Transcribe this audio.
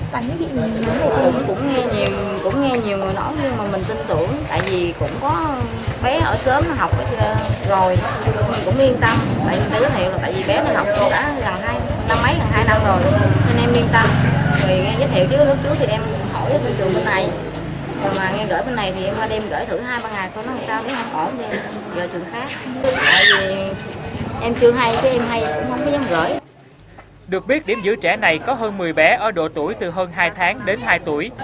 cơ sở giữ trẻ này có hơn một mươi bé ở độ tuổi từ hơn hai tháng đến hai tuổi